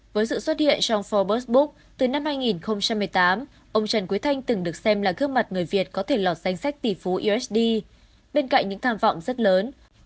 với sự xuất hiện trong forbes book từ năm hai nghìn một mươi tám ông trần quý thanh từng được xem là gương mặt người việt có thể lọt danh sách tỷ phú usd bên cạnh những tham vọng rất lớn